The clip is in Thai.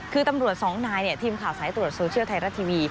คือตำรวจสองนายทีมข่าวสายตรวจโซเชียลไทยรัฐทีวี